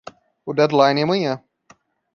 O deadline é amanhã.